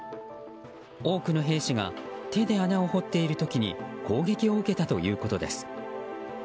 多くの兵士が手で穴を掘っている時に攻撃を受けたということです。